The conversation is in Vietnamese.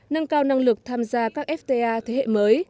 nâng cao năng lực tham gia các fta thế hệ mới